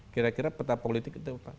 kira kira peta politik itu apa